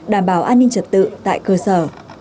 đảm bảo an ninh trật tự tại cơ sở